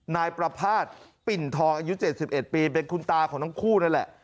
นายประภาษณ์ปิ่นทองอายุ๗๑ปีเป็นคุณตาของทั้งคู่นั่นแหละ